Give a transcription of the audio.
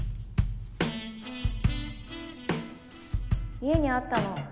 家にあったの。